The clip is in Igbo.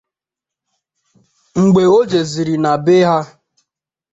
Mgbe o jeziri na be ha